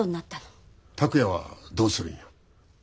拓也はどうするんや。